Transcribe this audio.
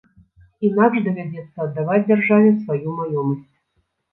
Інакш давядзецца аддаваць дзяржаве сваю маёмасць.